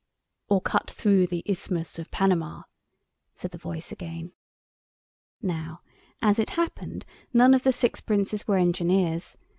"Or cut through the Isthmus of Panama," said the voice again. Now, as it happened, none of the six Princes were engineers.